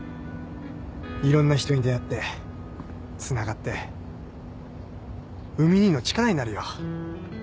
いろんな人に出会ってつながって海兄の力になるよ